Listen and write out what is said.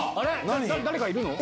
誰かいるの？